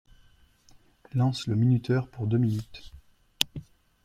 Lance le minuteur pour deux minutes.